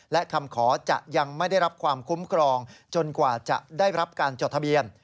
และคำขอจะยังไม่ได้รับความคุ้มครองจนกว่าจะได้รับการจดทะเบียน